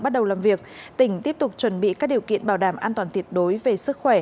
bắt đầu làm việc tỉnh tiếp tục chuẩn bị các điều kiện bảo đảm an toàn tuyệt đối về sức khỏe